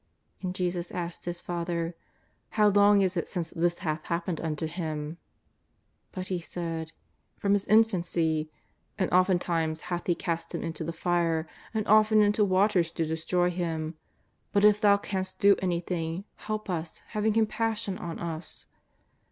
And Jesus asked his father :" How long is it since this hath happened unto him ?" But he said :" From his infancy. And oftentimes hath he cast him into the fire and often into waters to destroy him. But if Thou canst do anything, help us having compassion on us.''